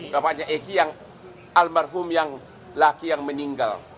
bapaknya egy yang almarhum yang laki yang meninggal